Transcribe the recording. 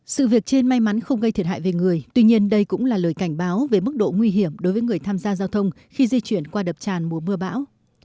sự việc trên may mắn không gây thiệt hại về người tuy nhiên đây cũng là lời cảnh báo về mức độ nguy hiểm đối với người tham gia giao thông khi di chuyển qua đập tràn mùa mưa bão